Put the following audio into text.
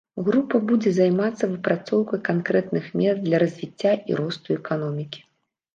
Група будзе займацца выпрацоўкай канкрэтных мер для развіцця і росту эканомікі.